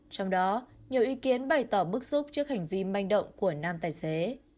trong đó nhiều ý kiến bày tỏ bức xúc trước hành vi manh động của nam tài xế